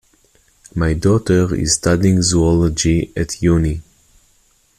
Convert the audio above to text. My daughter is studying zoology at uni